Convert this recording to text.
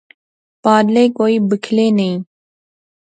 پارلے کوئی بکھلے نئیں